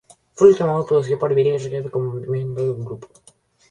Fue el último álbum producido con Bill Berry como miembro del grupo.